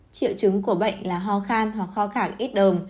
triệu chứng của bệnh là ho khan hoặc ho khẳng ít đồn